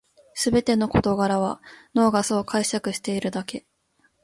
すべての事柄は脳がそう解釈しているだけ